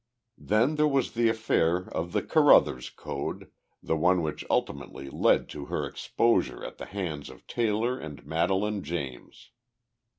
"Then there was the affair of the Carruthers Code, the one which ultimately led to her exposure at the hands of Taylor and Madelaine James."